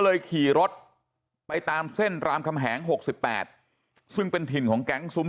เลยขี่รถไปตามเส้นรามคำแหง๖๘ซึ่งเป็นถิ่นของแก๊งซุ้ม